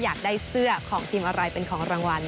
อยากได้เสื้อของทีมอะไรเป็นของรางวัล